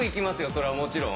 それはもちろん。